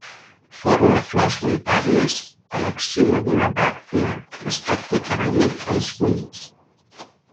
Forma flors solitàries a l'axil·la d'una bràctea d'aspecte paregut a les fulles.